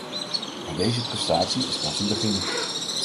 Maar deze prestatie is pas een begin.